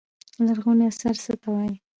لرغوني اثار څه ته وايي.